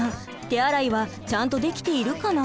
手洗いはちゃんとできているかな？